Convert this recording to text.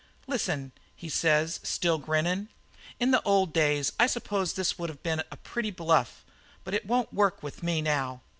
"'Listen,' he says, still grinnin', 'in the old days I suppose this would have been a pretty bluff, but it won't work with me now.